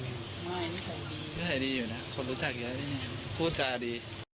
ไม่ไม่เคยมีไม่เคยดีอยู่นะคนรู้จักอยู่นี่พูดจาดี